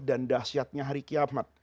dan dahsyatnya hari kiamat